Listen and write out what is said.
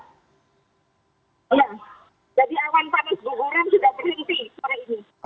iya jadi awan panas guguran sudah berhenti sore ini